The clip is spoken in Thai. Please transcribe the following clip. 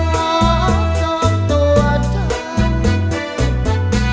หวังหวังหวังตัวเธอ